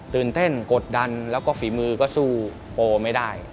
ตื่นเต้นกดดันแล้วก็ฝีมือก็สู้โปไม่ได้